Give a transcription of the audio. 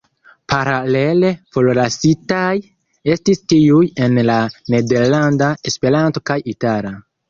Paralele, forlasitaj estis tiuj en la nederlanda, Esperanto kaj itala.